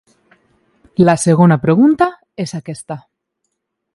La segona pregunta és aquesta.